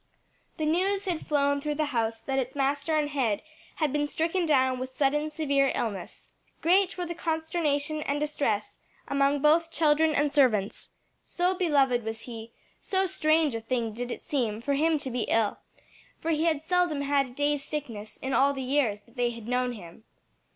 The news had flown through the house that its master and head had been stricken down with sudden, severe illness. Great were the consternation and distress among both children and servants, so beloved was he, so strange a thing did it seem for him to be ill, for he had seldom had a day's sickness in all the years that they had known him.